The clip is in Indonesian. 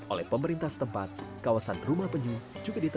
oleh pemerintah setempat kawasan rumah penyu juga ditemukan